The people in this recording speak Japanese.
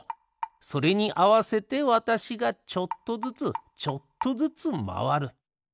それにあわせてわたしがちょっとずつちょっとずつまわる。